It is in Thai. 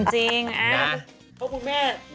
แอฮนพวกคุณแม่